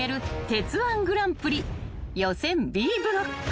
鉄−１グランプリ予選Ｂブロック］